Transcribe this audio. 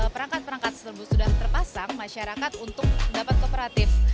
perangkat perangkat tersebut sudah terpasang masyarakat untuk dapat kooperatif